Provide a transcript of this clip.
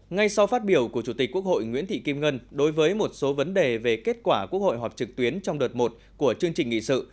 ngay sau phát biểu của chủ tịch quốc hội nguyễn thị kim ngân đối với một số vấn đề về kết quả quốc hội họp trực tuyến trong đợt một của chương trình nghị sự